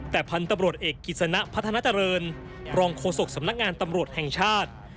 แต่พันธุ์ตำรวจเอกกิจสนะพัฒนาเจริญรองโฆษกสำนักงานตำรวจแห่งชาติ